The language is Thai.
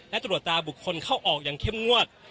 และตรวจตาบุคคลเข้าออกอย่างเข้มงวด